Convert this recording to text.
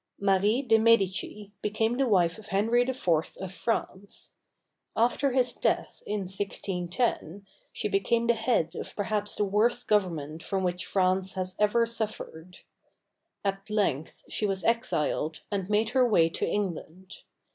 Marie de Medici became the wife of Henri IV of France. After his death, in 16 10, she became the head of perhaps the worst government from which France has ever suffered. At length she was exiled, and made her way to England.